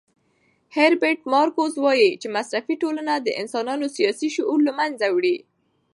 هیربرټ مارکوز وایي چې مصرفي ټولنه د انسانانو سیاسي شعور له منځه وړي.